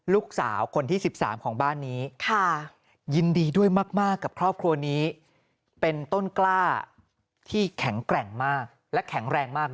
ลูกสาวคนที่๑๓ของบ้านนี้ยินดีด้วยมากกับครอบครัวนี้เป็นต้นกล้าที่แข็งแกร่งมากและแข็งแรงมาก